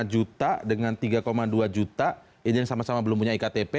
dua lima juta dengan tiga dua juta ini yang sama sama belum punya iktp